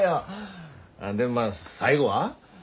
ああでもまあ最後は？